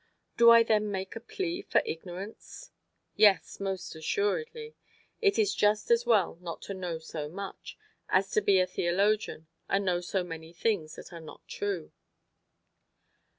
Do I then make a plea for ignorance? Yes, most assuredly. It is just as well not to know so much, as to be a theologian and know so many things that are not true.